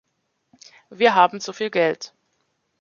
Wir haben zu viel Geld.